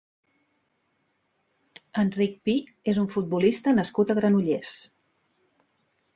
Enric Pi és un futbolista nascut a Granollers.